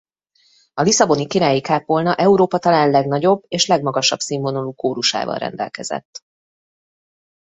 A lisszaboni királyi kápolna Európa talán legnagyobb és legmagasabb színvonalú kórusával rendelkezett.